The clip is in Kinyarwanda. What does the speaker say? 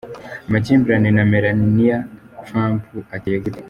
Amakimbirane na Melania Trump ateye gute?.